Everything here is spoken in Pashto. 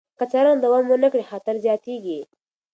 که څارنه دوام ونه کړي، خطر زیاتېږي.